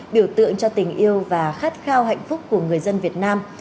biểu tượng cho tình yêu và khát khao hạnh phúc của người dân việt nam